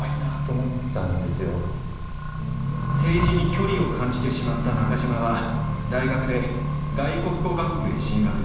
政治に距離を感じてしまった中島は大学で外国語学部へ進学。